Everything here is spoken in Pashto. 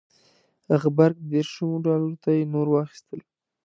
غبرګ دېرشمو ډالرو ته یې نور واخیستل.